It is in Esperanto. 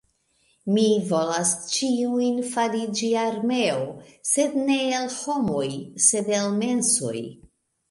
Mi vokas ĉiujn fariĝi armeo sed ne el homoj sed el mensoj